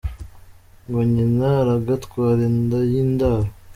Ngo nyina aragatwara inda y’indaro !